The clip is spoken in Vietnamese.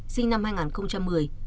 sinh năm hai nghìn một mươi